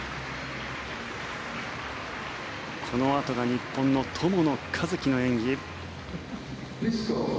このあとが日本の友野一希の演技。